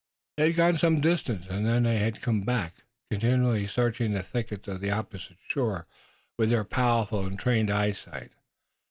They had gone some distance, and then they had come back, continually searching the thickets of the opposite shore with their powerful and trained eyesight.